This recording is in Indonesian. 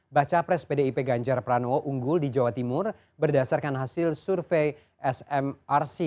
baca pres pdip ganjar pranowo unggul di jawa timur berdasarkan hasil survei smrc